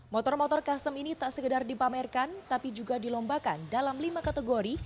motor motor custom ini tak sekedar dipamerkan tapi juga dilombakan dalam lima kategori